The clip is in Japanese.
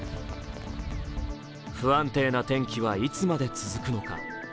不安定な天気はいつまで続くのか。